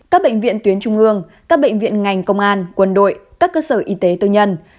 các bệnh viện tuyến trung ương các bệnh viện ngành công an quân đội các cơ sở y tế tư nhân